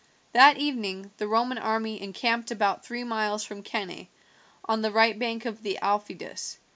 That evening the Roman army encamped about three miles from Cannae, on the right bank of the Aufidus.